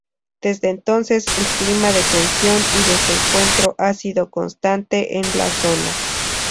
Desde entonces, el clima de tensión y desencuentro ha sido constante en la zona.